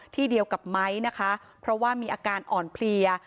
ที่เดียวกับไม้นะคะเพราะว่ามีอาการอ่อนเพลีย